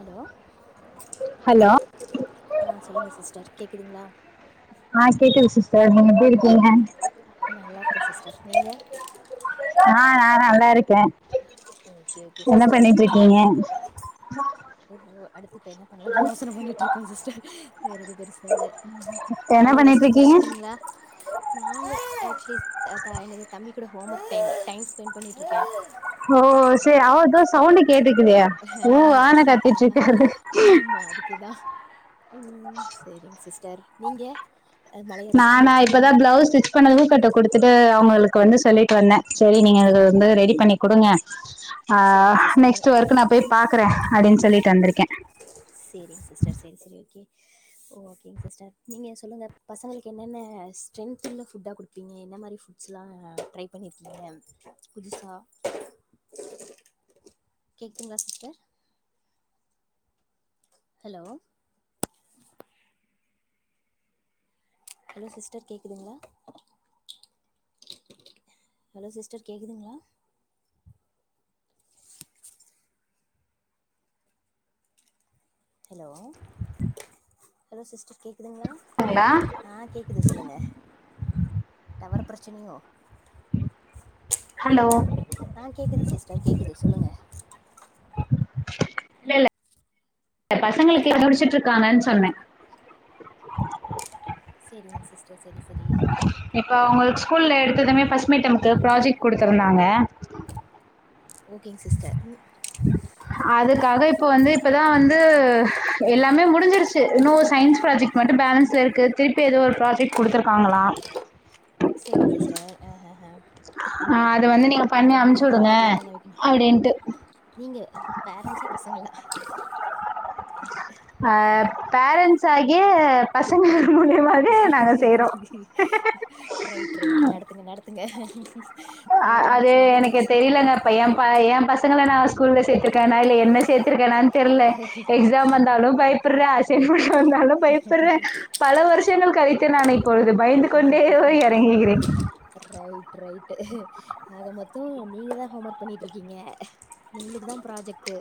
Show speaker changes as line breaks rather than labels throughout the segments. Allow
hello
ஆ சொல்லுங்க sister கேக்குதுங்ளா
ஆ கேக்குது சிஸ்ட நீங்க எப்டி இருக்கீங்க
நா நல்லா இருக்கே சிஸ்டர் நீங்க
ஆ நா நல்லா இருக்கே
ஓகே ஓகே
என்ன பண்ணிட்டு இருக்கீங்க
ஓ ஓ அடுத்து இப்ப என்ன பண்ணலானு யோசனை பண்ணிட்டு இருக்கே சிஸ்டர் வேற எதுவு பெருசா இல்ல
என்ன
மழைய
பண்ணிட்டு
ரஸ்ச்சு
இருக்கீங்க
முடிச்ட்டீங்ளா நான் அட்லீஸ்ட் எனது தம்பிக்க கூட ஹோம் ஒர்க்டை டைம் ஸ்பெண்ட் பண்ணிட்டுருக்கே
ஓ சே அவதா சவுண்டு கேட்டுக்குதே ஊ ஆனு கத்திட்டு இருக்கரு
மா அதுக்கேதா ம் சேரிங் சிஸ்டர் நீங்க
நானா இப்பதா பிளவுஸ் ஸ்டிச் கனல் ஊக்கட்ட குடுத்துட்டு அவங்களுக்கு வந்து சொல்லிட்டு வந்தே செரி நீங்க வந்து ரெடி பண்ணி குடுங்க ஆ
சரிங்க சிஸ்டர்
நெக்ஸ்ட் வொர்க் நா போய் பாக்குறே அப்டின் சொல்ட்டு வந்ருக்கே
சேரிங் சிஸ்டர் சேரி சேரி ஓகே ஓ ஓகேங் சிஸ்டர் நீங்க சொல்லுங்க பசங்களுக் என்னென்ன ஸ்ட்ரென்த் உள்ள ஃபுட்டா குடுப்பி பின நீங்க என்ன மாதிரி ஃபுட்ஸ்லா ட்ரை பண்ணிருக்கீங்க புதுசா கேக்குங்களா சிஸ்டர் ஹலோ ஹலோ சிஸ்டர் கேக்குதுங்ளா ஹலோ சிஸ்டர் கேக்குதுங்ளா ஹலோ சிஸ்டர் கேக்குதுங்ளா
ங்ளா
ஆ கேக்குது சொல்லுங்க டவர் பிரச்சனையோ
ஹலோ
ஆ கேக்குது சிஸ்டர் கேக்குது சொல்லுங்க
இல்லல்ல பசங்களுக்கு முடிச்சிட்டு இருக்காங்கன் சொன்னே
சேரிங்க சிஸ்டர் செரி செரி
இப்ப அவங்களுக் ஸ்கூல்ல எடுத்ததுமே ஃபஸ்ட் மிட்டம்க்கு ப்ராஜெக்ட் குடுத்திருந்தாங்க
ஓகேங் சிஸ்டர்
அதுக்காக இப்ப வந்து இப்பதா வந்து எல்லாமே முடிஞ்சிருச்சு இன்னூ சய்ன்ஸ் ப்ராஜெக்ட் மட்டு பேலன்ஸ்ல இருக்கு திருப்பி எதோ ஒரு ப்ராஜெக்ட் குடுத்துருக்காங்களா
சேரிங்க சிஸ்டர் அ ஹ ஹ ம்
ஆ அது வந்து நீங்க பண்ணி அம்ச்சு வுடுங்க
ப்ராஜெக்ட்லாம் பண்ண வைக்கணும்.
அப்டின்ட்டு
நீங்க பேரண்ட்ஸா பசங்களா
ஆ பேரண்ட்ஸாகிய பசங்க முடியாம
ரைட் ரைட் நடத்துங்க நடத்துங்க
அ அது
பேரண்ட்ஸாகிய
எனக்கு
பசங்க
தெரியலங்க. இப்ப என் ப ஏ பசங்கள நா ஸ்கூல்ல சேத்திருக்கனா இல்ல என்ன சேத்திருக்கனான் தெர்ல எக்ஸாம் வந்தாலு பயப்புற அசைன்மென்ட் வந்தாலு பயப்புற பல வருஷங்கள் கழித்து நானை இப்பொழுது பயந்து கொண்டே வ எறங்குகிறேன்
ரைட் ரைட்டு ஆக மொத்தொ நீங்கதா ஹோம் ஒர்க் பண்ணிட் இருக்கீங்க உங்ளுக்தா ப்ராஜெக்ட்டு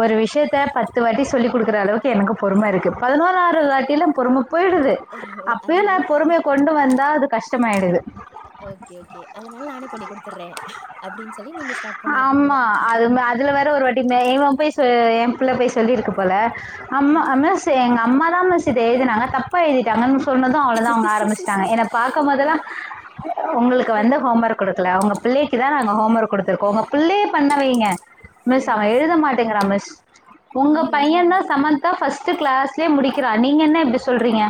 ஒரு விஷ்யத்த பத்து வாட்டி சொல்லி குடுக்குற அளவுக் எனக்கு பொறும இருக்கு பதினோருதுதாட்டிலா பொறும போயிடுது அப்பயும் நா
அதனால
பொறுமய கொ கொண்டு வந்தா அது கஷ்டமாயிடுது
ஓக்கே ஓகே அதனால நானே பண்ணி குடுத்துறேன் அப்டின் சொல்லி நீங்க ஸ்டார்ட் பண்ணிடுறீங்க
ஆமா அது மே அதுல வேற ஒரு மே வாட்டி இவ போய் என் புள்ள போய் சொல்லிருக்கு போல அம்மா
அஹ்
மிஸ் எங்க அம்மாதா மிஸ் இது எழுதினாங்க தப்பா எழுதிட்டாங்கன் சொன்னது அவ்ளதா அவங்க ஆரம்பிச்டாங்க என்ன பாக்கும்போதெல்லா உங்களுக்கு வந்து ஹோம் ஒர்க் குடுக்கல உங்க பிள்ளைக்குதா நாங்க ஹோம் ஒர்க் குடுத்துருக்கோ உங்க பிள்ளைய பண்ண வைங்க மிஸ் அவ
சரி
எழுத
சார்
மாட்டேங்றா மிஸ் உங்க
ம்
பையன்தா
ம்
சமத் கா ஃபர்ஸ்ட் கிளாஸ்லயே முடிக்கிறா நீங்க என்ன இப்டி சொல்றீங்க?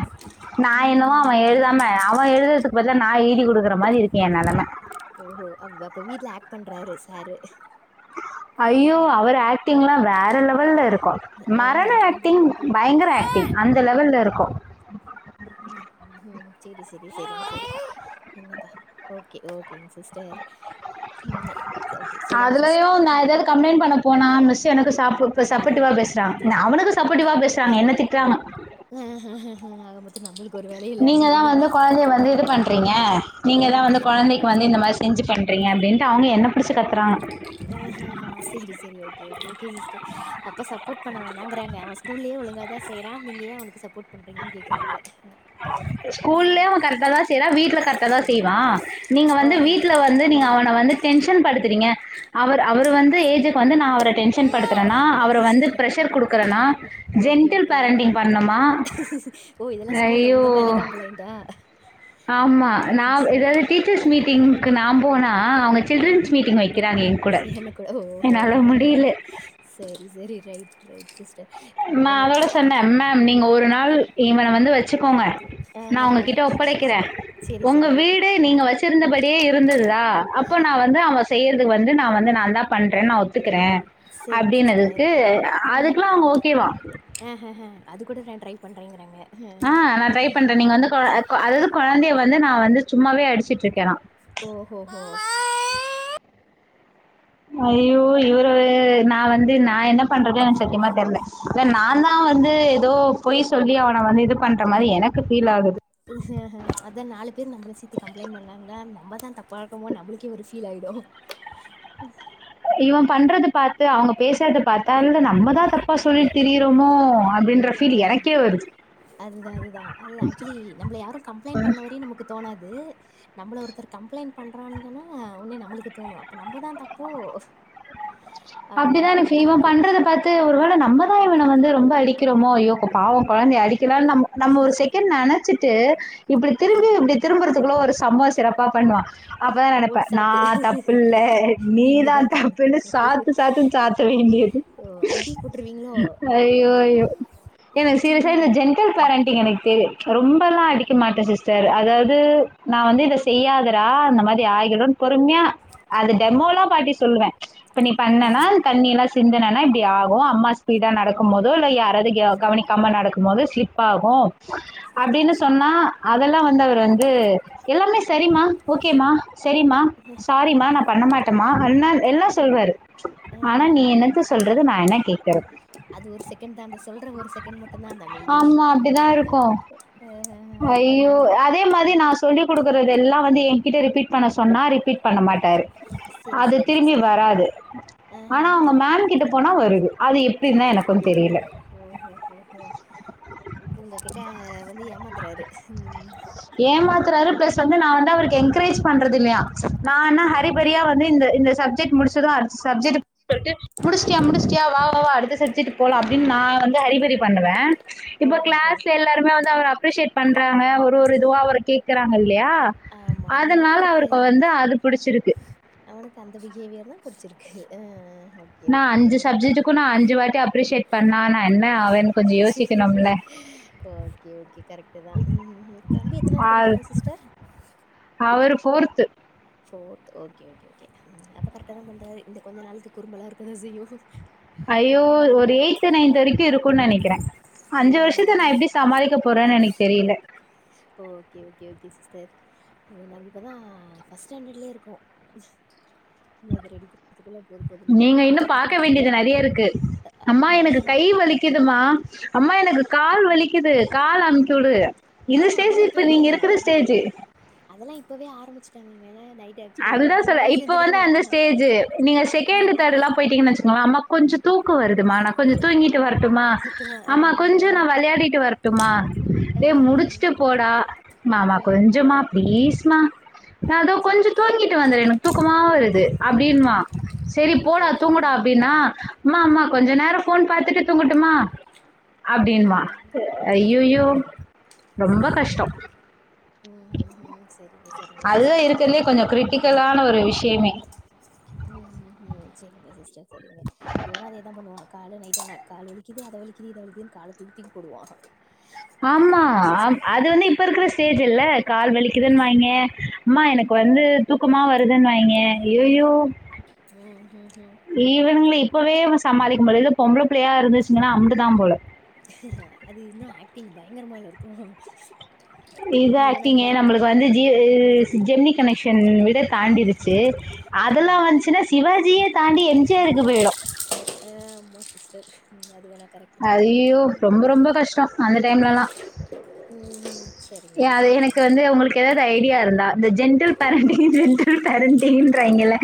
நா
ம்
என்னவோ அவன் எழுதாம அவன் எழுதறதுக்கு பதிலா நா எழுதி குடுக்கற மாரி இருக்கு என் நெலம
ஓஹோ அ அப்ப வீட்ல ஆக்ட் பண்றாரு சாரு
அய்யோ அவர் ஆக்டிங்ல்லா வேற லெவல்ல இருக்கு
ஆஹ
மரண ஆக்டிங் பயங்கர ஆக்டிங் அந்த லெவல்ல இருக்கு
ம் ம்ஹும் செரி செரி செரி ஓகே ஓகேங் சிஸ்டர் ன்னே ஓகே சொல்லுங்க சிஸ்டர்
அதுலயும் நான் ஏதாவது கம்ப்ளைண்ட் பண்ண போனா மிஸ் எனக்கு சாப் சப்போர்டிவா பேசறாங்க நா அவனுக்கு சப்போர்ட்டிவா பே திட்றாங்க என்ன திட்றாங்க
ஆகா மொத்தோ நம்மளு
நீங்கதா வந்து கொழந்தய வந்து இது பண் றீங்க நீங்கதா வந்து
ஆஹ
கொழந்தைக்கு வந்து இந்த மாரி செஞ்சு பண்றீங்க அப்டின்ட்டு அவுங்க என்ன புடுச்சு கத்தறாங்க
எ ஹ ஆ ஆ செரி செரி ஓகே ஓகே சிஸ்டர் அப்ப சப்போர்ட் பண்ண வேணாங்கறாங்க ஸ்கூல்லயே ஒழுங்காதா செய்றான் நீங்க ஏன் அவனுக்கு சப்போர்ட் பண்றீங்கன்னு கேக்கறாங்க
ஸ்கூல்லயே அவன் கரெட்டாத செய்றான் வீட்ல கரெக்டாதா செய்வான் நீங்க வந்து வீட்ல
ஓ
வந்து நீங்க அவன வந்து டென்ஷன் படுத்துறீங்க அவர் அவரு வந்து ஏஜுக்கு வந்து நா அவர டென்ஷன் படுத்துறனா அவர வந்து பிரெஷர் குடுக்கறனா
ஓகே
ஜென்டில்
ஓகே
பேரன்ட்டிங் பண்ணமா
ஓ இதெல்லா ஸ்கூல்ல
அய்யோ
உங்க மேல கம்ப்ளைண்டா
ஆமா நா
ம்
எதாது டீச்சர்ஸ் மீட்டிங்க்கு நா போனா அவுங்க சில்ட்ரன்ஸ் மீட்டிங் வெக்கிறாங்க என் கூட
சியன ஓஹோ
என்னால
ரை
முடில
சரி சரி ரைட் ரைட் சிஸ்டர் ஆக
நா அதோட
மொத்த
சொன்ன மேம் நீங்க ஒரு நாள் இவன வந்து வெச்சுக்கோங்க நா
ஆஹஹ
உங்ககிட்ட ஒப்படைக்கிற
சரி
உங்க
சரி
வீடு நீங்க வெச்சிருந்தபடியே இருந்துதா அப்போ நா வந்து அவன் செய்யறக்கு வந்து நா வந்து நான்தான் பண்றனு நா ஒத்துக்கற
சரிங்க சிஸ்டர்
அப்டினதுக்கு அதுக்கெல்லா அவுங்க ஓகேவா
அ ஹ ஹ அது கூட நா ட்ரை பண்றங்கறாங்க
ஆ நான் ட்ரை பண்றன் நீங்க வந்து கொ கொ அதாவது கொழந்தய வந்து நா வந்து சும்மாவே அடிச்சிட்டு இருக்கனா
ஓ ஹோ ஹோ
அய்யோ இவரு வேற நா வந்து நா என்ன என்ன பண்றது என் சத்தியமா தெரல இல்ல நான்தான் வந்து எதோ பொய் சொல்லி அவன வந்து இது பண்ற மாரி எனக்கு ஃபீல் ஆகுது
அதா நாலு பேர் நம்மள சுத்தி கம்ப்ளைண்ட் பண்ணாங்ளா நம்மதா தப்பா இருக்குமோ நம்மளுக்கே ஒரு ஃபீல் ஆகிடு உம் [unintelligible]
இவன் பண்ற பா த்து அவுங்க பேசறத பாத்தா நம்மதா தப்பா சொல்லிட்டு திரியறோமோ அப்டின்ற
ம்ஹ அதுதா அதுதா அதுதா ஆக்சுலி நம்மள யாரு கம்ப்ளைண்ட் பண்ணவரை மே நமக்கு தோணாது நம்மள ஒருத்தர் கம்ப்ளைண்ட் பண்றாங்கன்னா ஒன்னே நம்மளுக்கு தோணு அப்ப நம்மதான் தப்போ
அப்டிதான்
அப்படின்ற
எனக்கு
மாரி
இவன்
இருக்கு
பண்றத பாத் து ஒருவேள நம்மதா இவன வந்து ரொம்ப அடிக்கறோமோ அய்யோ பாவோ கொழந்தய அடி க்கிலா நம்மோ நம்மோ ஒரு செகண்ட் நேனச்சிட்டு இப்டி திரும்பி
சரி
இப்டி திரும்பறதுக்குள்ள ஒரு சம்பவோ சிறப்பா பண்ணுவான் அப்பதா நெனப்ப
ஓட்டு
நா
சாத்து
தப்பில்ல
நீங்க
நீதா
தான் தா
தப்புன்னு சாத்து சாத்துனு சாத்த வேண்டியது
ஓ அடி போட்டுருவீங்களோ
அய்யோ அய்யோ எனக்கு சீரியசா இந்த
அடிச்சிருவீங்க
ஜென்டல் பேரண்டிங் எனக்கு தெரி ரொம்பலா அடிக்க மாட்ட சிஸ்டர் அதாவது நா வந்து இத செய்யாதரா அந்த மாரி ஆகிடு பொறுமையா அது டெமோல்லா காட்டி சொல்லுவ இப்ப நீ பண்ணனா
ஆஹா
தண்ணி எல்லா சிந்தினனா இப்டி ஆகு அம்மா ஸ்பீடா நடக்கு போதோ இல்ல யாராவது கவனிக்காம நடக்கு போதோ ஸ்லிப் ஆகு
சரி
அப்டின்னு
சரி
சொன்னா அதெல்லா வந்து அவர் வந்து எல்லாமே சரிமா ஓகேமா செரிம்மா சாரிமா நா பண்ண மாட்டமா எல்லா சொல்லுவாரு ஆனா நீ
ஆஹஹா
என்னத்த சொல்றது நா என்ன கேக்குறது
அது ஒரு செகண்ட்தா அந்த சொல்ற ஒரு செகண்ட் மட்டுந்தா அந்த அமைதி
ஆமா அப்படிதான்
ஹஃ
இருக்கும்
ஹஃ ஹஃ ஹ
ஐயோ
சொன்னாங்க
அதே மாரி நாசு சொல்லி குடுக்குறதெல்லா வந்து என்கிட்ட ரிப்பீட் பண்ண சொன்னா ரிப்பீட் பண்ண மாட்டாரு
செரி
அது
செரிங்
திரும்பி
சிஸ்டர்
வராது ஆனா அவங்க
ஆஹஹா
மேம்கிட்ட போனா வருது அது எப்டிந்தா எனக்கு தெரில
ஹோ ஹோ ஹோ ஹோ அப்ப உங்ககிட்ட வந்து ஏமாத்றாரு ம்
ஏமாத்றாரு பிளஸ் வந்து நா வந்து அவருக்கு என்க்ரேஜ் பண்றது இல்லியா நா என்ன
ஓ
ஹரி பிரியா வந்து இந்த சப்ஜெக்ட் முடிச்சது அடுத்த சப்ஜெக்ட்டுக் போய்ட்டு முடிச்ட்டியா முடிச்ட்டியா வா வா வா அடுத்த சப்ஜெக்ட்டுக் போலா அப்டின் நா வந்து ஹரிபரி பண்ணுவ இப்ப
ஓஹோஹோ!
கிளாஸ்ல எல்லாருமே வந்து அவ அப்ரிசேட் பண்றாங்க ஒரு ஒரு இதுவா அவர கேக்குறாங்கல்லயா அதனால அவருக்கு வந்து அது புடிச்சிருக்கு
அவனுக்கு அந்த பிஹேவியர்தா புடிச்சிருக்கு அ அஹ
நா அஞ்சு சப்ஜெக்ட்டுக்கு நா அஞ்சு வாட்டி அப்ரிசேட் பண்ணா நா
ஓகே ஓகே கரெக்ட்டுதா தம்பி எத்தனாவ்து படிக்கிறா சிஸ்டர்
அவரு fourth
fourth okay okay okay ம் அப்ப கரெக்டாதா பண்றாரு இந்த கொஞ்சோ நாளுக்கு குறும்பெல்லா இருக்கதா செய்யு
ஐயோ ஒரு எய்த்து நைன்த்து வரைக்கு இருக்குன் நெனைக்கிற அஞ்சு வர்ஷத்த நா
ஆஹஹா.
எப்டி சமாளிக்க போறன் எனக்கு தெரியல
ஓ ஓகே ஓகே ஓகே சிஸ்டர் நாங்க இப்பதா ஃபர்ஸ்ட் ஸ்டாண்டட்லயே இருக்கோ இன்னு அத ரெடி பண்றதுக்குள்ள போது போதுன்னு ஆயிடும்
நீங்க
போல.
இன்னு பாக்க வேண்டியது நெறய இருக்கு அம்மா
ஆமா.
எனக்கு கை வலிக்குதுமா அம்மா எனக்கு கால் வலிக்குது கால் அமுக்கிவுடு
ஆ
இந்த ஸ்டேஜு
அதெல்லா
இப்ப
இப்பவே
நீங்க இருக்குற ஸ்டேஜு
அதெல்லா இப்பவே ஆரம்பிச்சுட்டாங்கங்க நைட் ஆக்சுவலி
அதுதா
ஒரு
சொல்ல
வேலையு
இப்ப
செஞ்சிருக்க
வந்து
மாட்டோ
அந்த ஸ்டேஜு நீங்க
ஆ
செகண்ட் தேர்டெல்லா போய்டீங்கன் வச்சுக்கோங்க அம்மா கொஞ்சோ தூக்க வருதுமா நா கொஞ்சோ தூங்கீட்டு வரட்டுமா
சுத்தமா ஆ
அம்மா கொஞ்சோ
ஆ
நா வெளாடிட்டு வர ட்டுமா டே
ஆ
முடிச்சுட்டு போடா மா மா
ஆ
கொஞ்சோமா ப்ளீஸ்மா அதோ கொஞ்
செரி செரி
தூங்கிட்டு வந்துற எனக்கு தூக்கமா வருது அப்டீன்வா செரி
ஓகே
போடா
ஓகே
தூங்குடா அப்டின்னா ம்மா ம்மா கொஞ்சோ நேர ஃபோன் பாத்துட்டு தூங்கட்டுமா அப்டின்வா
ம்
ஐய்யய்யோ ரொம்ப
செரி
கஷ்ட
ம் ம் ம் செரிங்க செரிங்க
அதுதா
சிஸ்டர்
இருக்குறதுலயே கொஞ்சோ க்ரிட்டிக்கலான ஒரு விஷ்யமே
ம் ஹூ ஹூ ம் செரிங்க சிஸ்டர் செரிங்க இவனு அதேதா பண்ணுவா கால்ல நைட்டானா கால் வலிக்குது அத வலிக்குது இத வலிக்குதுன் கால தூக்கி தூக்கி போடுவா
ஆமா
அப்பதா
அ
ஆக்ஷன்ஸ் குடுப்பா
அது வந்து இப்ப இருக்குற ச் ஸ்டேஜ் இல்ல கால் வலிக்குதுன் வாய்ங்க அம்மா எனக்கு வந்து தூக்கமா வருதுன் வாய்ங்க ஐயய்யோ
ம் ஹும்
இவனுங்கள இப்பவே சமாளிக்க முடீல இதுல பொம்பள புள்ளையா இருந்துச்சுங்கன்னா அம்புண்டுதா போல
அது இன்னோ ஆக்டிங் பயங்கரமால்ல இருக்கோ
இதா ஆக்டிங்கு நம்முளுக்கு வந்து ஜி ஜெம்னி கனெக்ஷன் வித் வே தாண்டிருச்சு அதெல்லா
ஆமா ஆ
வந்ச்சுனா சிவாஜியே தாண்டி எம் ஜி ஆருக்கு போயிடோ
அ ஆமா சிஸ்டர் ம் அதுவேனா கரெக்ட்டுதா
ஐயோ!
ம்
ரொம்ப ரொம்ப கஷ்டம் அந்த டைம்லலாம்.
செரிங்க சிஸ்டர் செரி
எதாது ஐடியா இருந்தா இந்த ஜென்டில் பேரன்டிங் ஜென்டில் பேரன்டிங்க்ராய்ங்கல்ல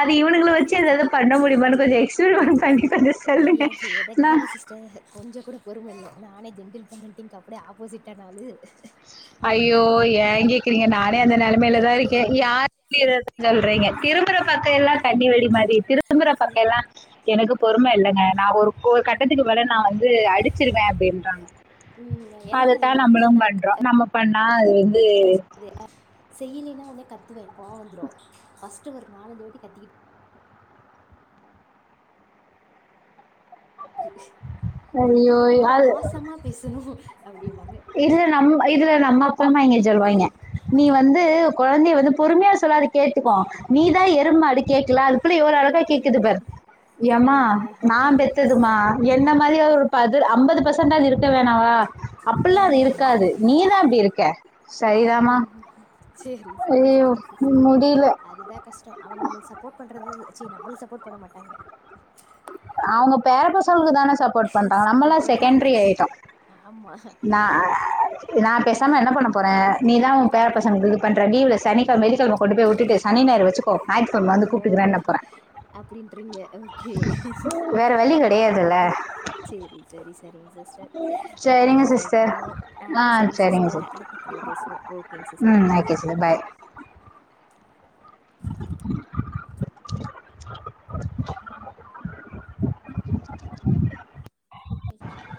அது இவனுகள வெச்சு எதாது பண்ண முடியுமானு கொஞ்சோ எக்ஸ்பீரிமெண்ட் பண்ணி கொஞ்சோ சொல்லுங்க
ஏ எனக்கு
நா
தானே சிஸ்டர் கொஞ்சோ கூட பொறும இல்ல நானே ஜென்டில் பேரண்ட்டிங்க்கு அப்டியே ஆப்போசிட்டான ஆளு
அய்யோ
ம்
ஏ கேக்கிறீங்க நானே அந்த நெல மெலதா இருக்கே யாருனு சொல்றீங்க திரும்புற பக்கோ எல்லா கண்ணி வெடி மாரி திரும்புற பக்கோ எல்லா எனக்கு பொறும இல்லங்க நா ஒரு ஒரு கட்டத்துக்கு மேல நா வந்து அடிச்சிருவே அப்டீன்றாங்க
எனக்கு
அதத்தா
அதேதா
நம்மளு
நா
பண்றோ நம்ம பண்ணா அது வந்து
செய்யுலீன்னா ஒன்னே கத்துவே கோவோ வந்துரோ ஃபஸ்ட்டு ஒரு நாலஞ்சு வாட்டி கத்திகிட்
ஐயோ!
கொழந்தகிட்ட
அது
பாசமா பேசணோ அப்டீம்பாங்க
இதுல நம்ம இதுல நம்ம அப்பாம்மா இங்க சொல்வாய்ங்க நீ வந்து கொழந்தய வந்து பொறுமயா சொல்லா அது கேட்டுக்கோ நீதா எரும்மாடு கேக்குல அது எப்பிடி ஓர் அழகா கேக்குது பார்
ஆ
எம்மா
ஹ ஹ
நா
ஹ
பெத்ததுமா என்ன மாரியே ஒரு பது அம்பது பச ண்டேஞ்சாது இருக்க வேணாவா அப்பெடில்லா அது இருக்காது நீதா அப்டி இருக்க சரிதாம்மா
ம் சேரி செரி
ஐயோ
செரி சிஸ்டர்
முடியல
அதுதா கஷ்டோ அவங்க நம்மளு சப்போர்ட் பண்றது ச்சி நம்மளுக்கு சப்போர்ட் பண்ண மாட்டாங்க
அவங்க பேரப்பசங்கலுக்கு தான சப்போர்ட் பண்றாங்க நம்மளா செகண்ட்ரி யாயிட்டோ
ஆம்மா
நா பேசாம என்ன பண்ண போறே நீதா ஓ பே பசங்களுக்கு இது பண்ற லீவ்ல சனி வெள்ளிக்கெழம கொண்டு போய் உட்டுட்டு சனி நாயிரு வெச்சுக்கோ ஞாயித்து கெழம வந்து கூப்ட்டுகிறேன்ன போறே
அப்டீன்றீங்க ஓகே
வேற வழி கிடையாதுல்ல
சேரி செரி செரிங்க சிஸ்டர் பாப்போ
சரிங்க
ட்ரை
சிஸ்டர்
பண்ணுவோ ஆ செரிங்க சிஸ்டர் அடுத்த கால்ல பேசுவோ ஓ
ம் தேங்க்யூ சிஸ்டர் பாய்
பேச ஆரம்பிப்போ